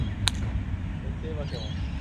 দেখতেই বা কেমন?